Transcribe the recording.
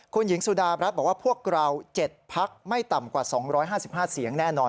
คุณหญิงสุดารัฐบอกว่าพวกเรา๗พักไม่ต่ำกว่า๒๕๕เสียงแน่นอน